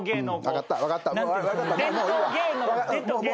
分かった！